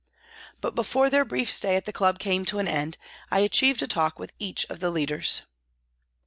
But before their brief stay at the club came to an end, I achieved a talk with each of the leaders.